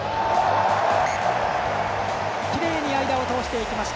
きれいに間を通していきました。